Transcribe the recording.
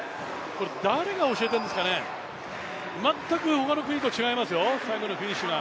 誰が教えてるんですかね、全く他の国と違いますよ、フィニッシュが。